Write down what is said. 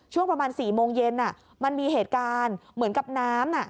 ช่วงประมาณ๔โมงเย็นมันมีเหตุการณ์เหมือนกับน้ำ